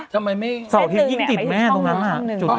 ทำไมไม่เสร็จหนึ่งแหละไปที่ช่องนึงข้างหนึ่งแซมนึงแหละ